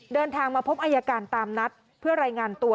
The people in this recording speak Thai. เดินทางมาพบอายการตามนัดเพื่อรายงานตัว